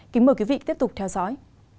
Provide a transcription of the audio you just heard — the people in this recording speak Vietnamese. kính mời quý vị tiếp tục theo dõi